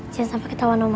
jangan sampai ketawa noma